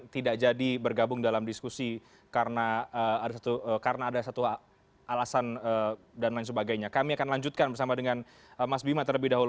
terima kasih lebih dahulu